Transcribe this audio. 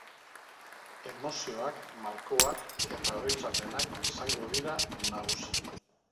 Emozioak, malkoak eta oroitzapenak izango dira nagusi.